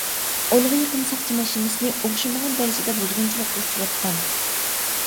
ئونغا يېقىن ساقچى ماشىنىسىنى ئوخشىمىغان دەرىجىدە بۇزغۇنچىلىققا ئۇچراتقان.